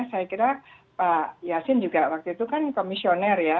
saya kira pak yasin juga waktu itu kan komisioner ya